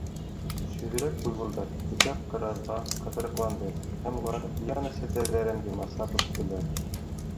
Көсһөҙөрәк буйволдар текә ҡыразға ҡыҫырыҡланды һәм улар лиана селтәрҙәрен йырмаслап үттеләр.